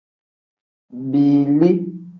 Biili.